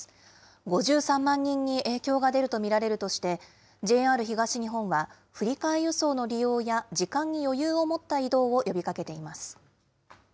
５３万人に影響が出ると見られるとして、ＪＲ東日本は、振り替え輸送の利用や、時間に余裕を持った移動を呼びかけています。